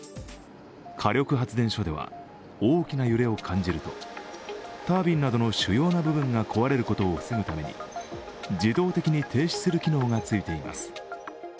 火力発電所では大きな揺れを感じるとタービンなどの主要な部分が壊れることを防ぐために自動的に停止する機能がついています。